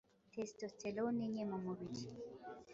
testosterone nke mu mubiri